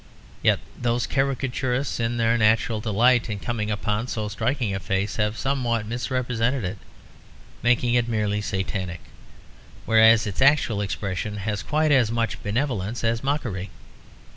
Yet those caricaturists in their natural delight in coming upon so striking a face, have somewhat misrepresented it, making it merely Satanic; whereas its actual expression has quite as much benevolence as mockery.